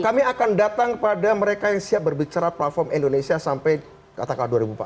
kami akan datang kepada mereka yang siap berbicara platform indonesia sampai katakan dua ribu empat puluh lima